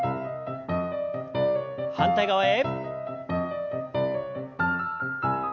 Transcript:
反対側へ。